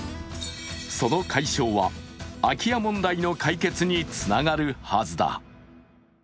その解消は空き家問題の解決につながるはずだ。